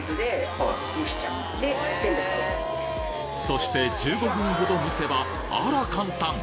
そして１５分ほど蒸せばあら簡単！